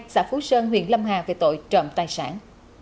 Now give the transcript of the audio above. xã phú sơn huyện lâm hà về tội trộm tài sản